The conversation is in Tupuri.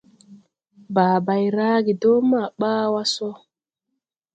Bàa bay rage dɔɔ ma ɓaa wà sɔ.